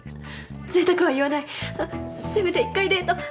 贅沢は言わないせめて一回デート